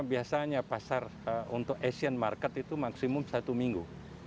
biasanya pasar untuk asian market itu maksimum satu minggu